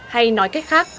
hay nói cách khác